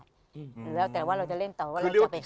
แล้วแต่ว่าเราจะเล่นต่อว่าเราจะไปขาย